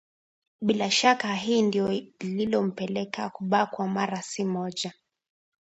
Bila shaka hili ndilo lilomplekea kubakwa mara si moja